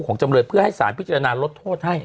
จำเลยเพื่อให้สารพิจารณาลดโทษให้